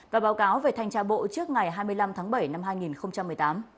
và báo cáo về thanh tra bộ trước ngày hai mươi năm tháng bảy năm hai nghìn một mươi tám